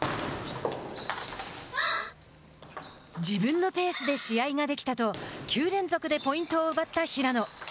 自分のペースで試合ができたと９連続でポイントを奪った平野。